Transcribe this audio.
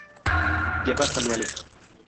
Hierbas anuales.